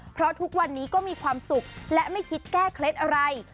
เพราะทุกวันนี้ก็มีความสุขและไม่คิดแก้เคล็ดอะไร